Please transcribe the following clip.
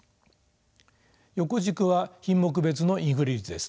横軸は品目別のインフレ率です。